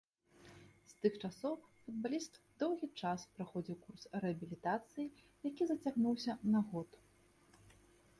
З тых часоў футбаліст доўгі час праходзіў курс рэабілітацыі, які зацягнуўся на год.